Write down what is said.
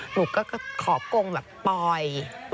หนูก็ขอกงแบบปล่อย